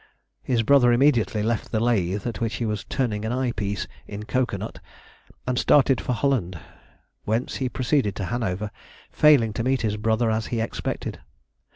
His brother immediately left the lathe at which he was turning an eye piece in cocoanut, and started for Holland, whence he proceeded to Hanover, failing to meet his brother as he expected.